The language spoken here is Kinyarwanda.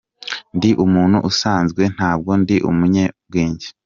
Ndi umuntu usanzwe, ntabwo ndi umunyabwenge.